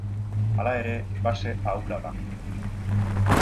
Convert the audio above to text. Hala ere base ahula da.